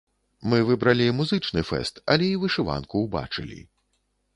Мы выбралі музычны фэст, але і вышыванку ўбачылі.